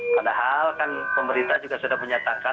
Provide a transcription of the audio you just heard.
padahal kan pemerintah juga sudah menyatakan